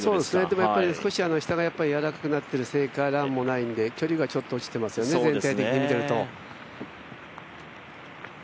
でもやっぱり下が少しやわらかくなっているのでランもないですし、距離がちょっと落ちていますよね、全体的に、見ていると。